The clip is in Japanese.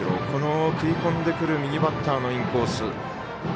この食い込んでくる右バッターのインコース。